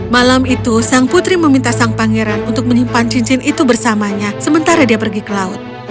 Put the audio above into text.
malam itu sang putri meminta sang pangeran untuk menyimpan cincin itu bersamanya sementara dia pergi ke laut